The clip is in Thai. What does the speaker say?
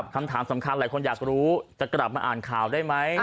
คำถามสำคัญหลายคนอยากรู้จะกลับมาอ่านข่าวได้ไหม